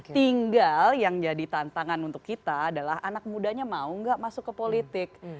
tinggal yang jadi tantangan untuk kita adalah anak mudanya mau nggak masuk ke politik